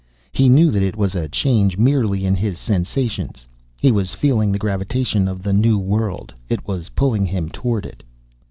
He knew that it was a change merely in his sensations. He was feeling the gravitation of the new world. It was pulling him toward it!